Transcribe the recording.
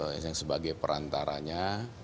yang sebagai perantaranya